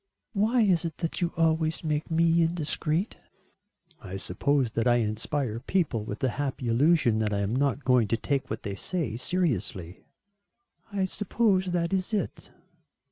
"Why is it that you always make me indiscreet?" "I suppose that I inspire people with the happy illusion that I am not going to take what they say seriously." "I suppose that is it."